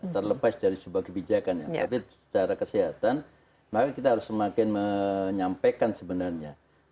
terlepas dari sebuah kebijakan tapi secara kesehatan maka kita harus semakin menyampaikan sebenarnya